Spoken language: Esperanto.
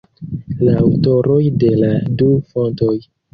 La aŭtoroj de la du fontoj.